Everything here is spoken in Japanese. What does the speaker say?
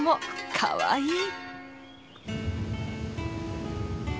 かわいい！